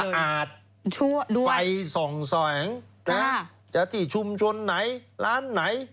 สะอาดไฟส่องแสงนะจติชุมชนไหนร้านไหน